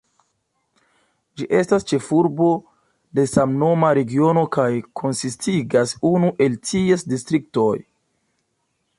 Ĝi estas ĉefurbo de samnoma regiono kaj konsistigas unu el ties distriktoj.